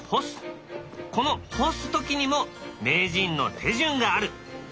この干す時にも名人の手順がある。